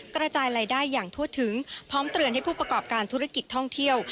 กระจายรายได้อย่างทั่วถึงพร้อมเตือนให้ผู้ประกอบการธุรกิจท่องเที่ยว